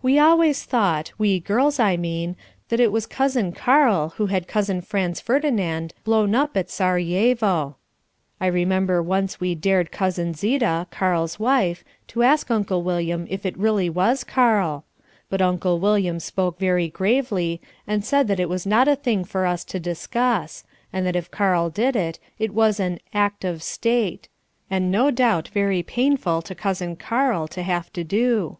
We always thought, we girls I mean, that it was Cousin Karl who had Cousin Franz Ferdinand blown up at Serajevo. I remember once we dared Cousin Zita, Karl's wife, to ask Uncle William if it really was Karl. But Uncle William spoke very gravely, and said that it was not a thing for us to discuss, and that if Karl did it, it was an "act of State," and no doubt very painful to Cousin Karl to have to do.